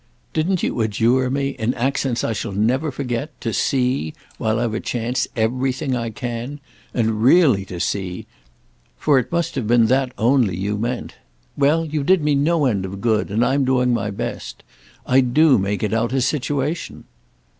Didn't you adjure me, in accents I shall never forget, to see, while I've a chance, everything I can?—and really to see, for it must have been that only you meant. Well, you did me no end of good, and I'm doing my best. I do make it out a situation."